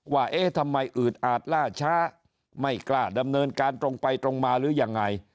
ว่าเอ๊ะทำไมอืดอาจล่าช้าไม่กล้าดำเนินการตรงไปตรงมาหรือยังไง